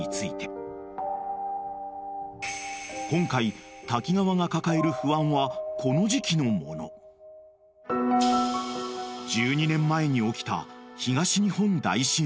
［今回滝川が抱える不安はこの時期のもの］［１２年前に起きた］